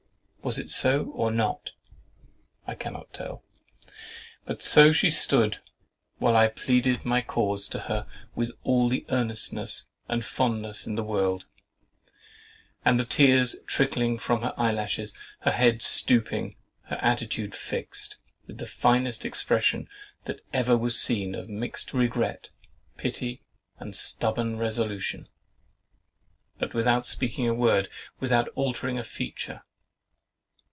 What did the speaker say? Was it so or not? I cannot tell. But so she stood (while I pleaded my cause to her with all the earnestness, and fondness in the world) with the tears trickling from her eye lashes, her head stooping, her attitude fixed, with the finest expression that ever was seen of mixed regret, pity, and stubborn resolution; but without speaking a word, without altering a feature.